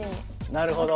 なるほど。